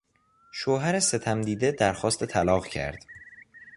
شوهر ستمدیده درخواست طلاق کرد.